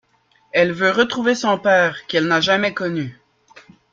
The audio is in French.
Elle veut retrouver son père, qu'elle n'a jamais connu.